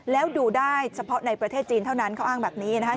แล้วดูได้เฉพาะในประเทศจีนเท่านั้นเขาอ้างแบบนี้นะครับ